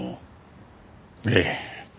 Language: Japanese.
ええ。